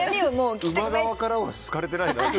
馬側からは好かれてないなって。